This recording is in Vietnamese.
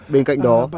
bên cạnh đó